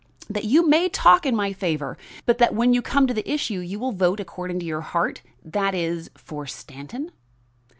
That you may talk in my favor, but that when you come to the issue, you will vote according to your heart; that is, for Stanton?"